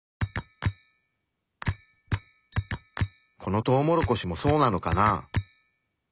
このトウモロコシもそうなのかな？